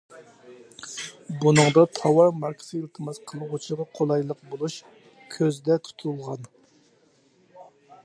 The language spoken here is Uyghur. بۇنىڭدا تاۋار ماركىسى ئىلتىماس قىلغۇچىغا قولايلىق بولۇش كۆزدە تۇتۇلغان.